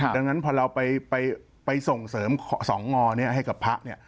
ดังนั้นพอเราไปส่งเสริมสองงอให้กับพระ